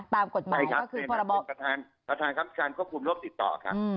ตามกฎหมายก็คือพอระบบใช่ครับเห็นครับคือประทานควบคุมร่วมติดต่อค่ะ